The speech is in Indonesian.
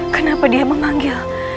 kenapa dia memanggil